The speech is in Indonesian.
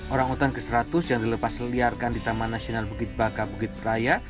orang utan ke seratus yang dilepas liarkan di taman nasional bukit baka bukit raya